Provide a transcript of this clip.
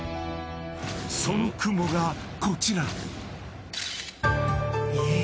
［その雲がこちら］え？